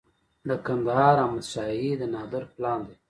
د کندهار احمد شاهي د نادر پلان دی